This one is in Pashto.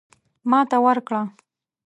ماته ورکړه.